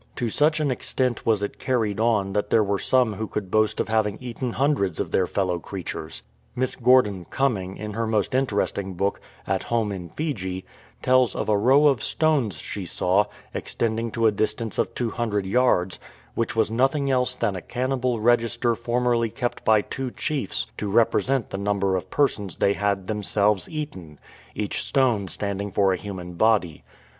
To such an extent was it carried on that there were some who could boast of having eaten hundreds of their fellow creatures. Miss Gordon Cum ming, in her most interesting book, At Home in Fiji, tells of a row of stones she saw, extending to a distance of 200 yards, which was nothing else than a cannibal register formerly kept by two chiefs to represent the number of persons they had themselves eaten — each stone standing for a human body.